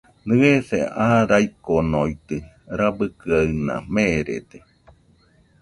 Nɨese aa raikonoitɨ rabɨkɨaɨna, merede